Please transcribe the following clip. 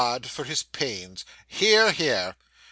'd for his pains. Hear, hear!